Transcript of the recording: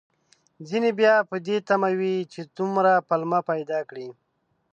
ځينې بيا په دې تمه وي، چې دومره پلمه پيدا کړي